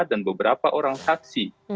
dan beberapa orang saksi